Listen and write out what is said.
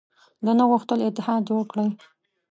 ده نه غوښتل اتحاد جوړ کړي.